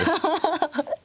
ハハハハ。